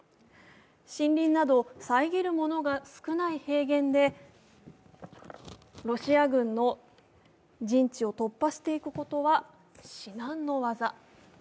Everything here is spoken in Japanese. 森林など遮るものが少ない平原でロシア軍の陣地を突破していくことは至難の業。